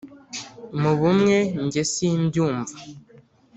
mu bumwe nge simbyumva